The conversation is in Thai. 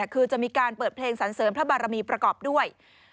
คือจะมีการเปิดเพลงสรรเสริมพระบารมีประกอบด้วย